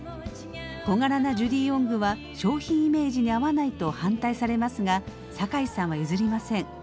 小柄なジュディ・オングは商品イメージに合わないと反対されますが酒井さんは譲りません。